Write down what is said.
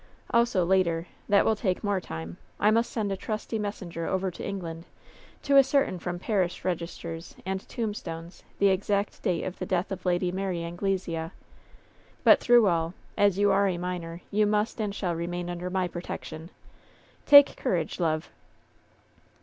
Also, later, that will take more time, I must send a trusty messenger over to Eng land to ascertain from parish registers and tombstones the exact date of the death of Lady Mary Anglesea. But through all, as you are a minor, you must and shall re main under my protection. Take courage, love